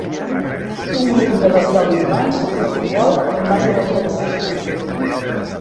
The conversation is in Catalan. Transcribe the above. Un grup interracial d'infants juga a futbol en un barri residencial.